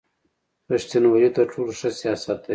رېښتینوالي تر ټولو ښه سیاست دی.